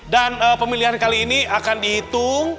dan pemilihan kali ini akan dihitung